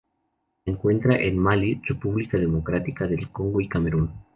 Se encuentra en Malí, República Democrática del Congo y Camerún.